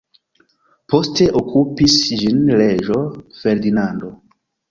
Poste okupis ĝin reĝo Ferdinando.